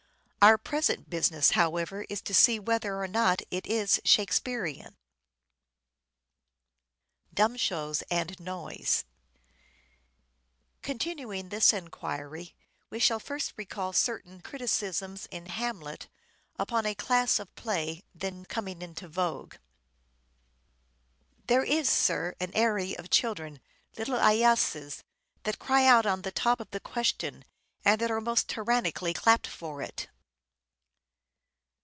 Our present business, however, is to see whether or not it is Shakespearean. "THE TEMPEST" 513 Continuing this enquiry we shall first recall certain " Dumb criticisms in "Hamlet" upon a class of play then noise." coming into vogue. '' There is, sir, an aery of children, little eyases, that cry out on the top of question, and are most tyranically clapped for it."